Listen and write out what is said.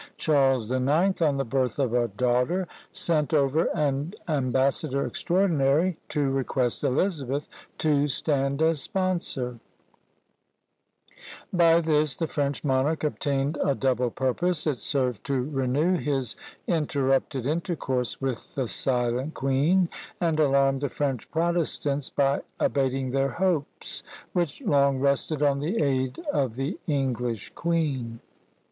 Charles the Ninth, on the birth of a daughter, sent over an ambassador extraordinary to request Elizabeth to stand as sponsor: by this the French monarch obtained a double purpose; it served to renew his interrupted intercourse with the silent queen, and alarmed the French protestants by abating their hopes, which long rested on the aid of the English queen.